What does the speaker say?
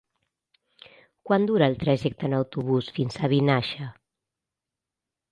Quant dura el trajecte en autobús fins a Vinaixa?